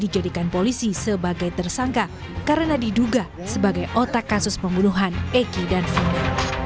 dijadikan polisi sebagai tersangka karena diduga sebagai otak kasus pembunuhan eki dan sinyal